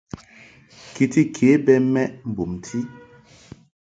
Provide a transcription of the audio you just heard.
Kiti ke bɛ mɛʼ mbumti.